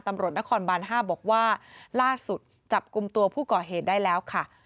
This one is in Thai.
ตำรวจนครบาน๕บอกว่าล่าสุดจับกลุ่มตัวผู้ก่อเหตุได้แล้วค่ะ